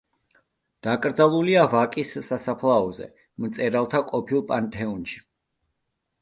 დაკრძალულია ვაკის სასაფლაოზე, მწერალთა ყოფილ პანთეონში.